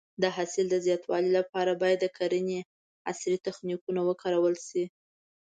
د حاصل د زیاتوالي لپاره باید د کرنې عصري تخنیکونه وکارول شي.